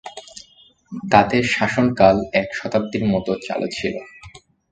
তাদের শাসনকাল এক শতাব্দীর মত চালু ছিল।